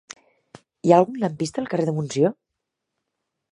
Hi ha algun lampista al carrer de Montsió?